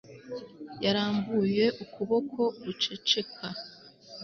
Yarambuye ukuboko guceceka